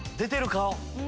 顔。